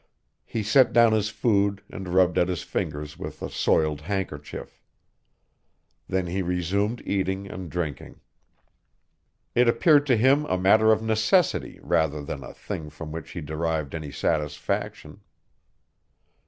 He set down his food and rubbed at his fingers with a soiled handkerchief. Then he resumed eating and drinking. It appeared to him a matter of necessity rather than a thing from which he derived any satisfaction.